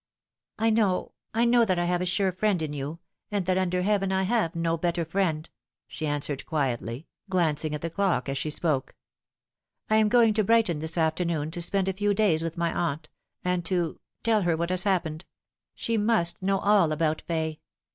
" I know, I know that I have a sure friend in you, and that under heaven I have no better friend," she answered quietly. No Light. 161 glancing at the clock as she spoke. ' I am going to Brighton this afternoon, to spend a few days with my aunt, and to tell her what has happened. She must know all about Fay.